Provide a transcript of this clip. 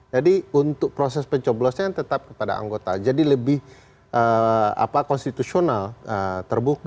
jadi untuk proses pencobosan tetap kepada anggota jadi lebih konstitusional terbuka